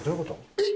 えっ！